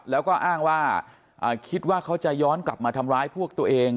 แล้วก็อ้างว่าคิดว่าเขาจะย้อนกลับมาทำร้ายพวกตัวเอง